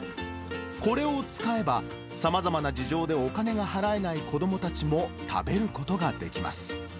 これを使えば、さまざまな事情でお金が払えない子どもたちも食べることができます。